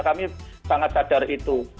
kami sangat sadar itu